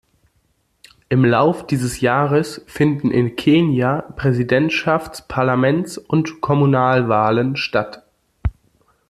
Im Lauf dieses Jahres finden in Kenia Präsidentschafts-, Parlaments- und Kommunalwahlen statt.